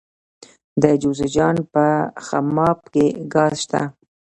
د جوزجان په خماب کې ګاز شته.